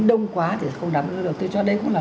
đông quá thì không đáp ứng được tôi cho đấy cũng là